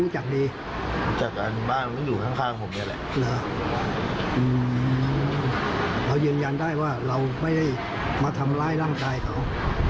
จริงจัดได้ไม่ได้ทำร้ายร่างกายเขา